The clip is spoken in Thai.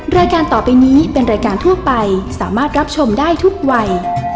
รายการต่อไปนี้เป็นรายการทั่วไปสามารถรับชมได้ทุกวัย